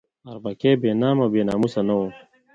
اربکی بې نامه او بې ناموسه نه وو.